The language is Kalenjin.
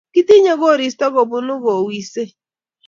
kitinye koristo kobunu kowisei.